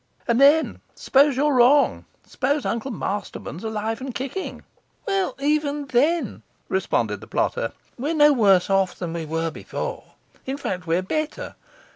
'And then suppose you're wrong? Suppose Uncle Masterman's alive and kicking?' 'Well, even then,' responded the plotter, 'we are no worse off than we were before; in fact, we're better.